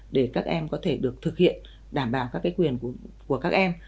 để các em có thể được thực hiện đảm bảo các cái quyền của các em